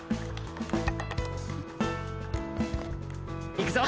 いくぞ！